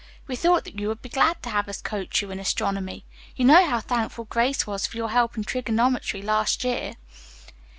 We thought that you would be glad to have us coach you in astronomy. You know how thankful Grace was for your help in trigonometry last year."